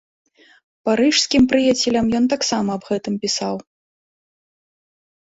Парыжскім прыяцелям ён таксама аб гэтым пісаў.